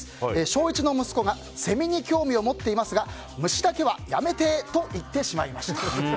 小１の息子がセミに興味を持っていますが虫だけはやめて！と言ってしまいました。